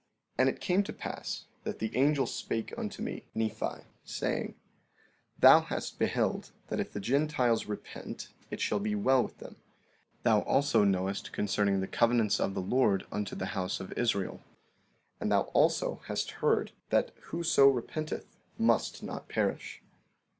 14:5 And it came to pass that the angel spake unto me, Nephi, saying: Thou hast beheld that if the Gentiles repent it shall be well with them; and thou also knowest concerning the covenants of the Lord unto the house of Israel; and thou also hast heard that whoso repenteth not must perish.